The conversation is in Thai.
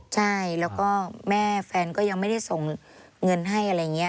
ใช่แล้วก็แม่แฟนก็ยังไม่ได้ส่งเงินให้อะไรอย่างนี้